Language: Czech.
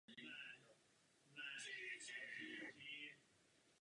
Kromě herectví se také aktivně věnuje moderování a dabingu.